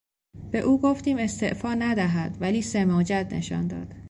به او گفتیم استعفا ندهد ولی سماجت نشان داد.